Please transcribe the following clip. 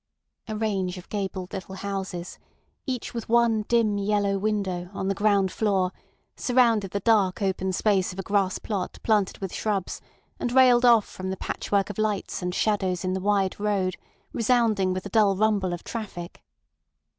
A range of gabled little houses, each with one dim yellow window, on the ground floor, surrounded the dark open space of a grass plot planted with shrubs and railed off from the patchwork of lights and shadows in the wide road, resounding with the dull rumble of traffic.